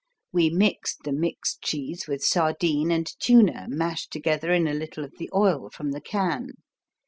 We mixed the mixed cheese with sardine and tuna mashed together in a little of the oil from the can.